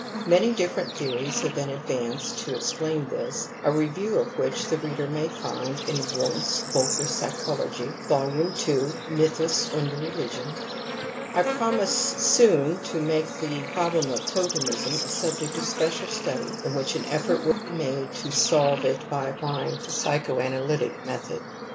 Many different theories have been advanced to explain this, a review of which the reader may find in Wundt's Voelkerpsychologie (Vol. II : Mythus und Religion). I promise soon to make the problem of totemism a subject of special study in which an effort will be made to solve it by apply ing the psychoanalytic method.